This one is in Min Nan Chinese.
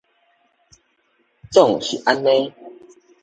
總是按呢